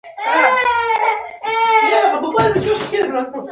ایا له لوګي ځان وساتم؟